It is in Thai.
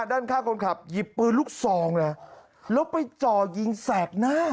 ด้านข้างคนขับหยิบปืนลูกซองเลยแล้วไปจ่อยิงแสกหน้า